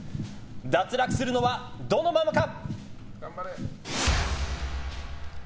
脱落するのはどのママか。